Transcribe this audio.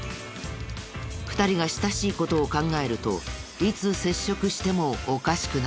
２人が親しい事を考えるといつ接触してもおかしくない。